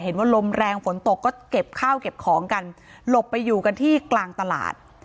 เห็นว่าลมแรงฝนตกก็เก็บข้าวเก็บของกันหลบไปอยู่กันที่กลางตลาด